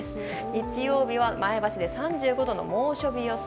日曜日は前橋で３５度の猛暑日予想。